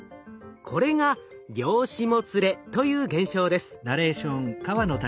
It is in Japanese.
これが量子もつれという現象です。